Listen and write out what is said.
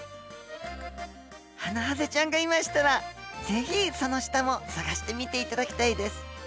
ハナハゼちゃんがいましたらぜひその下も探してみていただきたいです。